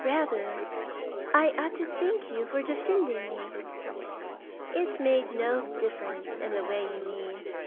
"Rather I ought to thank you for defending me. It made no difference in the way you mean.